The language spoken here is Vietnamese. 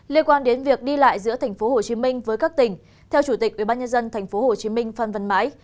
liên quan đến việc đi lại giữa tp hcm với các tỉnh theo chủ tịch ubnd tp hcm phan văn mãi